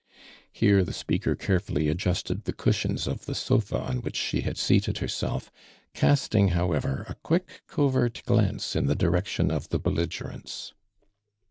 "' llcirc tho spoakor carofullv adjuHte<l tiio cushions of the sofa on which sho luul heated lierself, casting, howcvt r, a quick, covert glance in the direction of tho belligor cnts.